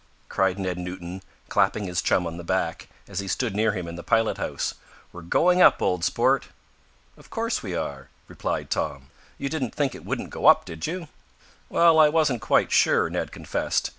cried Ned Newton, clapping his chum on the back, as he stood near him in the pilot house. "We're going up, old sport!" "Of course we are," replied Tom. "You didn't think it wouldn't go up, did you?" "Well, I wasn't quite sure," Ned confessed.